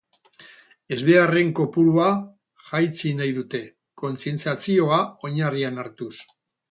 Ezbeharren kopurua jaitsi nahi dute, kontzientziazioa oinarrian hartuz.